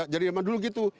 jadi memang dulu gitu